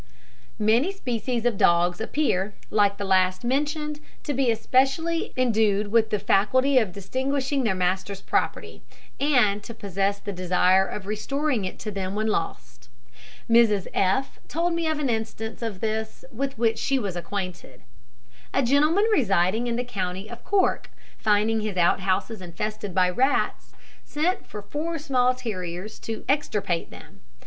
Many species of dogs appear, like the last mentioned, to be especially indued with the faculty of distinguishing their master's property, and to possess the desire of restoring it to them when lost. Mrs F told me of an instance of this with which she was acquainted. A gentleman residing in the county of Cork, finding his out houses infested by rats, sent for four small terriers to extirpate them.